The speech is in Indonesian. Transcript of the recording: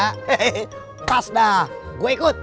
hei pas dah gue ikut